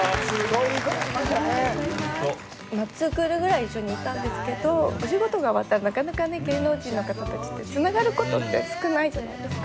２クールぐらい一緒にいたんですけどお仕事がまたなかなかね芸能人の方たちって繋がる事って少ないじゃないですか。